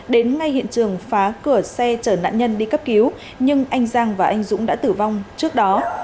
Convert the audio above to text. đến ngay hiện trường phá cửa xe chở nạn nhân đi cấp cứu nhưng anh giang và anh dũng đã tử vong trước đó